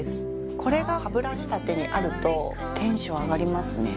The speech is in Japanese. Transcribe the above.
これが歯ブラシ立てにあるとテンション上がりますね。